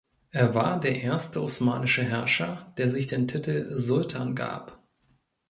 Er war der erste osmanische Herrscher, der sich den Titel Sultan gab.